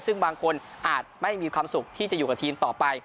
ซึ่งบางคนอาจไม่มีความสุขที่จะอยู่กับทีมต่อไป